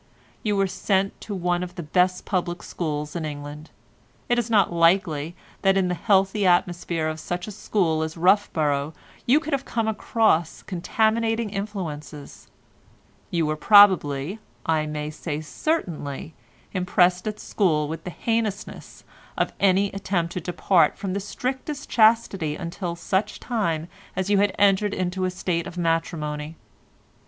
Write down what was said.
You were sent to one of the best public schools in England. It is not likely that in the healthy atmosphere of such a school as Roughborough you can have come across contaminating influences; you were probably, I may say certainly, impressed at school with the heinousness of any attempt to depart from the strictest chastity until such time as you had entered into a state of matrimony.